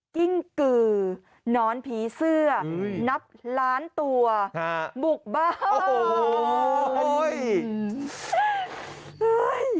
กิ้งกือหนอนผีเสื้อนับล้านตัวบุกบ้านโอ้โห